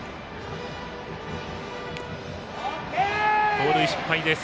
盗塁失敗です。